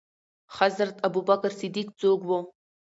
حضرت ابوبکر صديق څوک وو؟